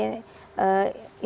bahwa tidak ada terjadi